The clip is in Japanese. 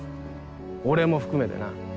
俺も含めてな。